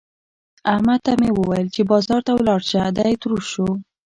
احمد ته مې وويل چې بازار ته ولاړ شه؛ دی تروش شو.